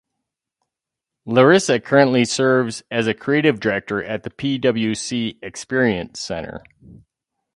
Larissa currently serves as a Creative Director at the PwC Experience Center.